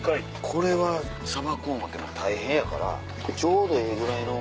これはさばこう思うても大変やからちょうどええぐらいの。